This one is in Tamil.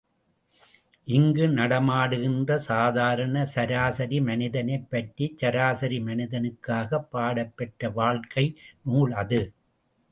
இங்கு நடமாடுகின்ற சாதாரண சராசரி மனிதனைப் பற்றிச் சராசரி மனிதனுக்காகப் பாடப்பெற்ற வாழ்க்கை நூல் அது.